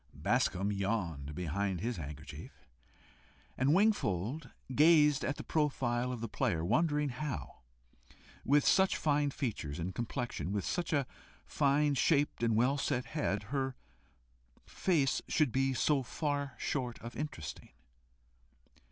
Bascombe yawned behind his handkerchief, and Wingfold gazed at the profile of the player, wondering how, with such fine features and complexion, with such a fine shaped and well set head? her face should be so far short of interesting.